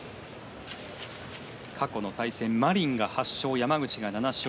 過去の対戦、マリンが８勝山口が７勝。